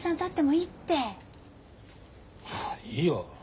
いいよ。